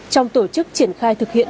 trong tổ chức triển khai thực hiện